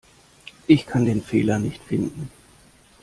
Ich kann den Fehler nicht finden.